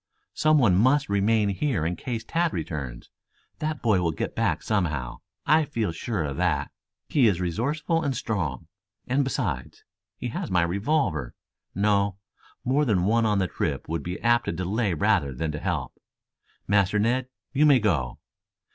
"Some one must remain here in case Tad returns. That boy will get back somehow. I feel sure of that. He is resourceful and strong. And besides, he has my revolver. No; more than one on the trip would be apt to delay rather than to help. Master Ned, you may go."